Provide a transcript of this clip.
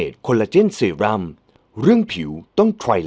ดี